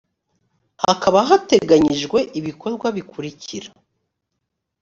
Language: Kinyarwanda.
hakaba hateganyijwe ibikorwa bikurikira